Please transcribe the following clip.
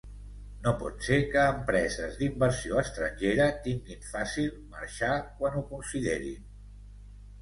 No pot ser que empreses d’inversió estrangera tinguin fàcil marxar quan ho considerin.